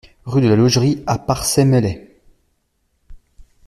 Rue de la Logerie à Parçay-Meslay